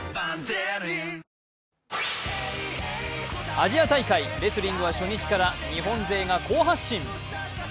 アジア大会レスリングは初日から日本勢が好発進。